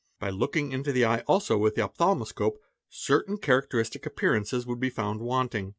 By looking into the eye also with the opthalmoscope certain characteristic appear 4 ances would be found wanting.